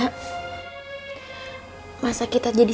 aku mau pergi ke rumah